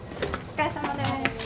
お疲れさまです。